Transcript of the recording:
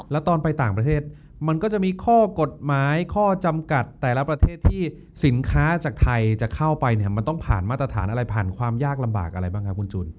แล้วตอนไปต่างประเทศมันก็จะมีข้อกฎหมายข้อจำกัดแต่ละประเทศที่สินค้าจากไทยจะเข้าไปเนี่ยมันต้องผ่านมาตรฐานอะไรผ่านความยากลำบากอะไรบ้างครับคุณจูน